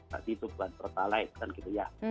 tadi itu bukan pertalite kan gitu ya